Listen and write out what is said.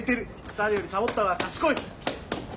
腐るよりサボった方が賢い。